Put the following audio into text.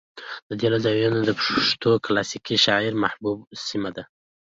د دې له زاويې نه د پښتو د کلاسيکې شاعرۍ محبوبه سمه ده